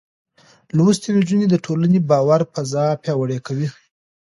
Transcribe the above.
لوستې نجونې د ټولنې د باور فضا پياوړې کوي.